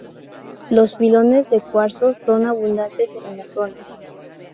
Los filones de cuarzo son abundantes en la zona.